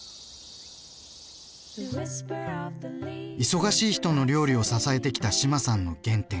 忙しい人の料理を支えてきた志麻さんの原点。